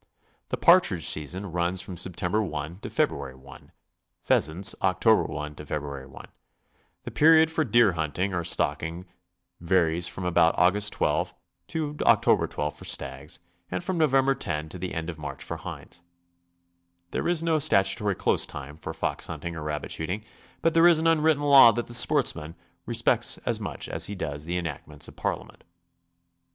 The partridge season runs from Sept, i to Feb. i; pheasants, Oct. i to Feb. i. The period for deer hunting or stalking varies from about Aug. 12 to Oct. 12 for stags, and from Nov. 10 to the end of March for hinds. There is no statutory close time for fox hunting or rabbit shooting, but there is an unwritten law that the sportsman respects as much as he does the enactments of Parliament.